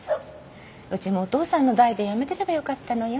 うちもお父さんの代でやめてればよかったのよ。